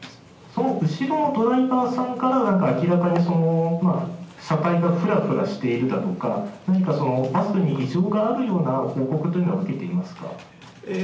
その後ろのドライバーさんから何か明らかに車体がふらふらしているだとか、何か、バスに異常があるような報告というのは、受けていますか。